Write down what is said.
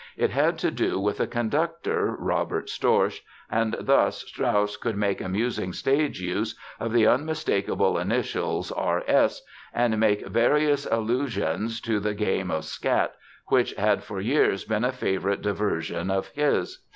It had to do with a conductor, Robert Storch, and thus Strauss could make amusing stage use of the unmistakable initials "R.S." and make various allusions to the game of skat, which had for years been a favorite diversion of his.